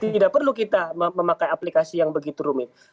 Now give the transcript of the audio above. tidak perlu kita memakai aplikasi yang begitu rumit